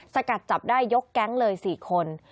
สกัดจับได้ยกแก๊งเลย๔คน